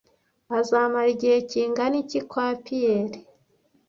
Azamara igihe kingana iki kwa Pierre?